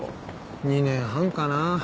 ２年半かな。